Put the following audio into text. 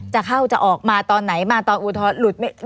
จะเข้าจะออกมาตอนไหนมาตอนอุทธรณ์หลุด